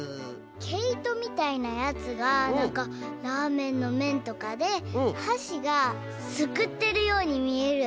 けいとみたいなやつがなんかラーメンのめんとかではしがすくってるようにみえる。